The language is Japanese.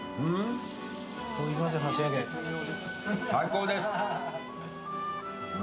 最高です！